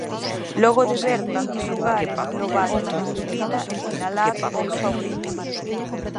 Logo de ver tantos lugares, Lobato non dubida en sinalar os seus favoritos.